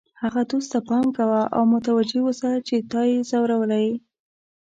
هغه دوست ته پام کوه او متوجه اوسه چې تا یې ځورولی وي.